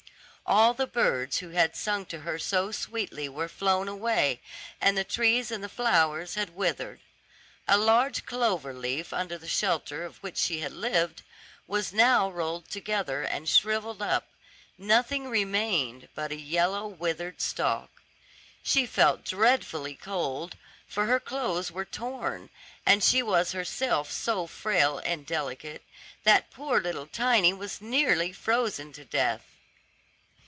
All the birds who had sung to her so sweetly were flown away, and the trees and the flowers had withered. The large clover leaf under the shelter of which she had lived, was now rolled together and shrivelled up, nothing remained but a yellow withered stalk. She felt dreadfully cold, for her clothes were torn, and she was herself so frail and delicate, that poor little Tiny was nearly frozen to death.